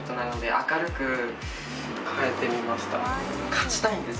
勝ちたいんです